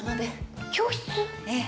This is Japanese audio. ええ。